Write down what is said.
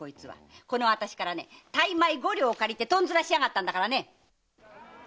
このあたしから大枚五両借りてとんずらしやがったんだからね！